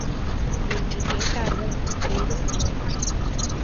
என்று கேட்டார்கள் வேறு சிலர்!